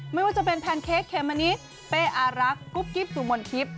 ไม่ว่าจะเป็นแพนเค้กเขมมะนิดเเป๊อรักกุ๊บกิ๊บสูงบนกริป